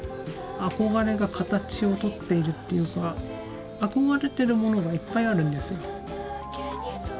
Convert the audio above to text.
憧れが形をとっているっていうか憧れてるものがいっぱいあるんですよ。